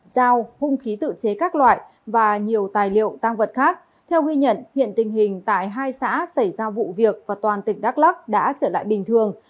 giao hung khí tự chế các loại và nhiều tài liệu tăng vật khác theo ghi nhận hiện tình hình tại hai xã xảy ra vụ việc và toàn tỉnh đắk lắc đã trở lại bình thường